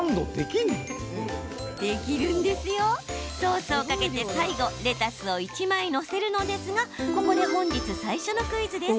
ソースをかけて最後レタスを１枚、載せるのですがここで本日、最初のクイズです。